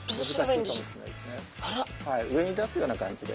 上に出すような感じで。